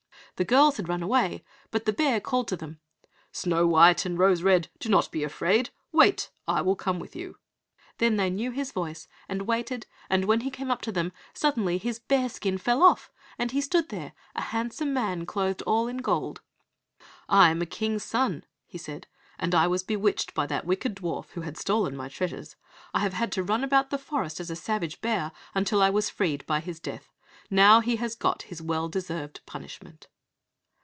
The girls had run away, but the bear called to them, "Snow white and Rose red, do not be afraid; wait, I will come with you." Then they knew his voice and waited, and when he came up to them suddenly his bearskin fell off, and he stood there, a handsome man, clothed all in gold. "I am a King's son," he said, "and I was bewitched by that wicked dwarf, who had stolen my treasures; I have had to run about the forest as a savage bear until I was freed by his death. Now he has got his well deserved punishment."